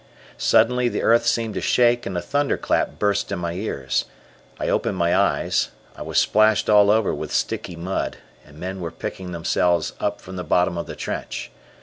Suddenly, the earth seemed to shake and a thunderclap burst in my ears. I opened my eyes, I was splashed all over with sticky mud, and men were picking themselves up from the bottom of the trench.